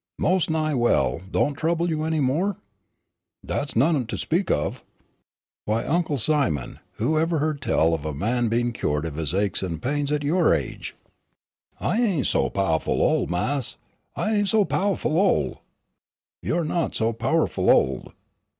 "Most nigh well, don't trouble you any more?" "Dat is none to speak of." "Why, Uncle Simon, who ever heard tell of a man being cured of his aches and pains at your age?" "I ain' so powahful ol', Mas', I ain' so powahful ol'." "You're not so powerful old!